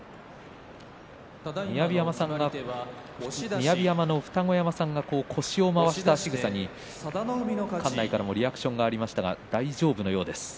雅山の二子山さんが腰を回したしぐさに館内からもリアクションがありましたが大丈夫なようです。